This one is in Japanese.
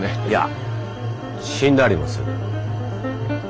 いや死んだりもする。